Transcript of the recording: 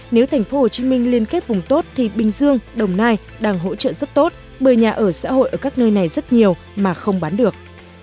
nếu tp hcm liên kết vùng tốt thì bình dương đồng nai đang hỗ trợ rất tốt bởi nhà ở xã hội ở các nơi này rất nhiều mà không bán được